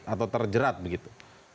atau terjerat begitu